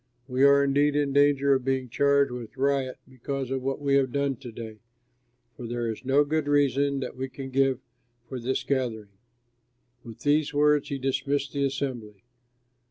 We are indeed in danger of being charged with riot because of what we have done to day, for there is no good reason that we can give for this gathering." With these words he dismissed the assembly.